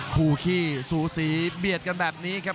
คู่ขี้สูสีเบียดกันแบบนี้ครับ